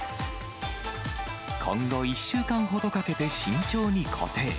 今後１週間ほどかけて慎重に固定。